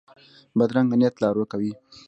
بدرنګه نیت لار ورکه وي